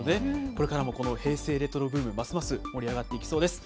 これからもこの平成レトロブーム、ますます盛り上がっていきそうです。